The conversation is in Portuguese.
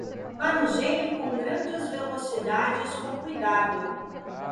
Manuseie com grandes velocidades com cuidado.